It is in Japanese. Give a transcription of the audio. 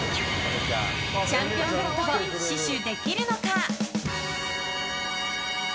チャンピオンベルトを死守できるのか。